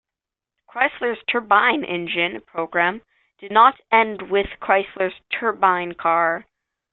Chrysler's turbine engine program did not end with the Chrysler Turbine Car.